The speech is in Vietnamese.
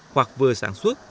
hoặc vừa sản xuất